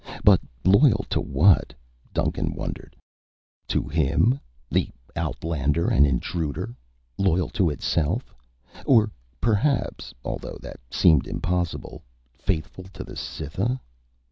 But loyal to what, Duncan wondered, to him, the outlander and intruder? Loyal to itself? Or perhaps, although that seemed impossible, faithful to the Cytha?